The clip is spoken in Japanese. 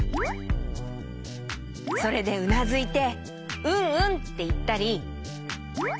それでうなずいて「うんうん」っていったり。